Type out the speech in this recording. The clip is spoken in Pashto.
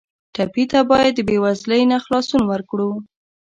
ټپي ته باید د بېوزلۍ نه خلاصون ورکړو.